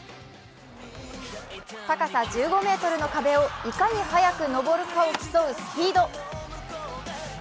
高さ１５ｍの壁をいかに速く登るかを競うスピード。